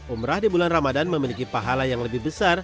umrah di bulan ramadan memiliki pahala yang lebih besar